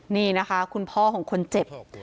นี่นะคะคุณพ่อของคนเจ็บ